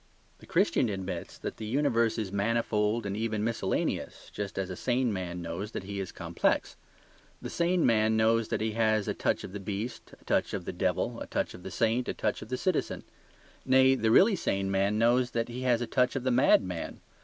The Christian admits that the universe is manifold and even miscellaneous, just as a sane man knows that he is complex. The sane man knows that he has a touch of the beast, a touch of the devil, a touch of the saint, a touch of the citizen. Nay, the really sane man knows that he has a touch of the madman.